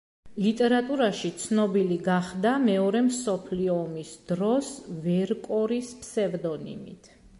ლიტერატურაში ცნობილი გახდა მეორე მსოფლიო ომის დროს ვერკორის ფსევდონიმით.